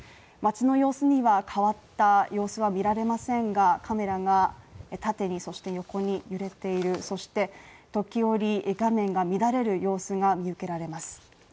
街の様子には変わった様子は見られませんが、カメラが縦にそして横に揺れているそして時折画面が乱れる様子が見受けられます